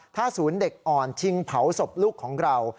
ถ้าศูนย์เด็กอ่อนชิงเผาศพลูกของเรา